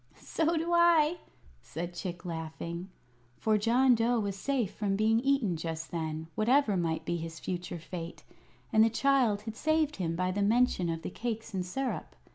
"So do I," said Chick, laughing; for John Dough was safe from being eaten just then, whatever might be his future fate, and the child had saved him by the mention of the cakes and syrup.